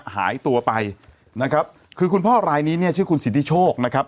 หายตัวไปนะครับคือคุณพ่อรายนี้เนี่ยชื่อคุณสิทธิโชคนะครับ